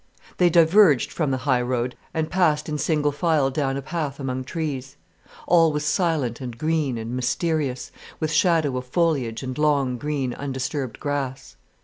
They diverged from the high road and passed in single file down a path among trees. All was silent and green and mysterious, with shadow of foliage and long, green, undisturbed grass.